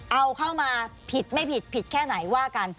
เอาเข้ามาผิดไม่ผิดผิดแค่ไหนว่ากัน